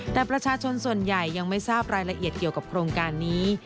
แต่ประชาชนส่วนใหญ่ยังไม่ทราบรายละเอียดเกี่ยวกับโครงการนี้